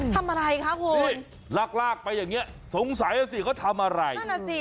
ทำอะไรคะคุณอุ้ยลากลากไปอย่างเงี้สงสัยแล้วสิเขาทำอะไรนั่นอ่ะสิ